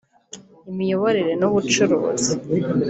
imiyoborere n’ubucuruzi